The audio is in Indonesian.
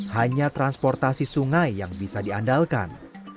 hanya transportasi sungai yang bisa diandalkan